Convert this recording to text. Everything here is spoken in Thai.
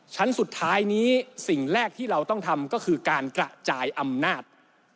ชั้นสุดท้ายนี้สิ่งแรกที่เราต้องทำก็คือการกระจายอำนาจ